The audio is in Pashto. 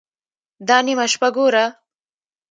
_دا نيمه شپه ګوره!